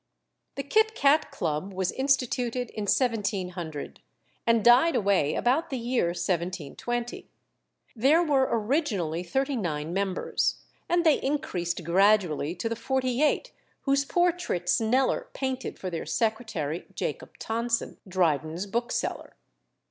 The Kit Cat Club was instituted in 1700, and died away about the year 1720. There were originally thirty nine members, and they increased gradually to the forty eight whose portraits Kneller painted for their secretary, Jacob Tonson, Dryden's bookseller.